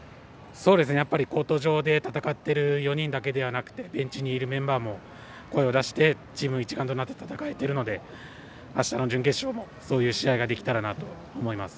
コート上で戦っている４人だけではなくてベンチにいるメンバーも声を出してチーム一丸となって戦えているのであしたの準決勝もそういう試合ができたらなと思います。